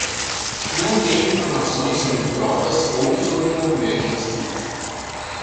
Não tenho informações sobre tropas ou sobre o movimento das tribos.